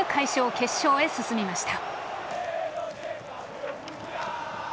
決勝へ進みました。